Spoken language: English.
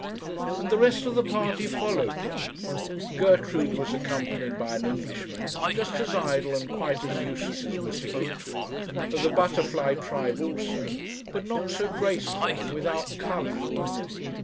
And the rest of the party followed them. Gertrude was accompanied by an Englishman just as idle and quite as useless as M. Victoire, of the butterfly tribe also, but not so graceful, and without colour.